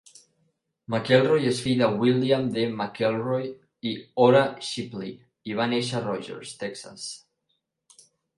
McElroy és fill de William D. McElroy i Ora Shipley i va néixer a Rogers, Texas.